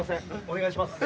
お願いします